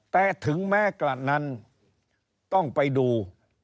แต่ถึงแม้กระนั้นต้องไปดู